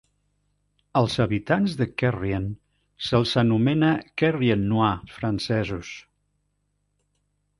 Als habitants de Querrien se'ls anomena "Querriennois" francesos.